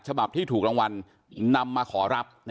ฉบับที่ถูกรางวัลนำมาขอรับ